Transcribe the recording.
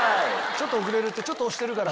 「ちょっと遅れる」って「ちょっと押してるから」